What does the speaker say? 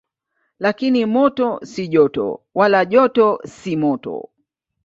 Lakini moto si joto, wala joto si moto.